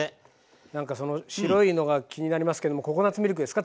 なんかその白いのが気になりますけどもココナツミルクですか？